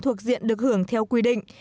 thuộc diện được hưởng theo quy định